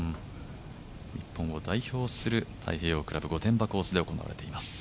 日本を代表する太平洋ゴルフ御殿場コースで行われています。